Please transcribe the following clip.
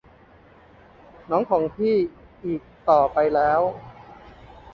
น้องของพี่อีกต่อไปแล้ว